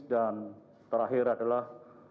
dan terakhir adalah